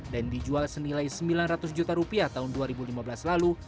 dan dijual senilai sembilan ratus juta rupiah tahun dua ribu lima belas lalu